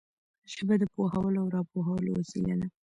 ژبه د پوهولو او را پوهولو وسیله ده